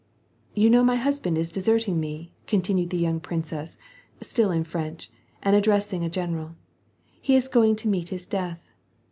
'' You know my husband is deserting me," continued the young princess, still in French, and addressing a general, ^' He IS going to meet his death.